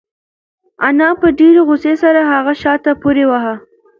انا په ډېرې غوسې سره هغه شاته پورې واهه.